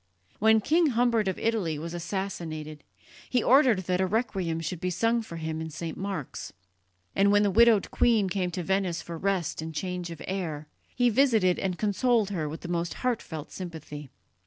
When King Humbert of Italy was assassinated he ordered that a requiem should be sung for him in St. Mark's; and when the widowed queen came to Venice for rest and change of air, he visited and consoled her with the most heartfelt sympathy.